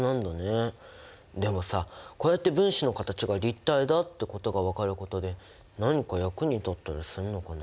でもさこうやって分子の形が立体だってことが分かることで何か役に立ったりするのかな？